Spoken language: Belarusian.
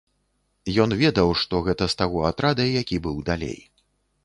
Ён ведаў, што гэта з таго атрада, які быў далей.